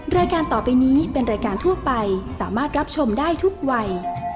รายการต่อไปนี้เป็นรายการทั่วไปสามารถรับชมได้ทุกวัย